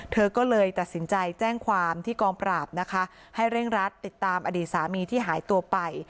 เธอก็เลยตัดสินใจแจ้งความที่กองปราบนะคะให้เร่งรัดติดตามอดีตสามีที่หายตัวไป